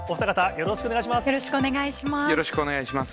よろしくお願いします。